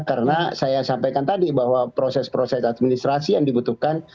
karena saya sampaikan tadi bahwa proses proses administrasi yang dibutuhkan